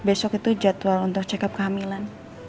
besok itu jadwal untuk check up kehamilan